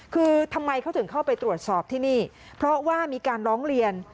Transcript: คือทำไมเขาถึงเข้าไปตรวจสอบที่นี่เพราะว่ามีการร้องเรียน